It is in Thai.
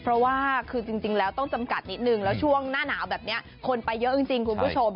เพราะว่าคือจริงแล้วต้องจำกัดนิดนึงแล้วช่วงหน้าหนาวแบบนี้คนไปเยอะจริงคุณผู้ชม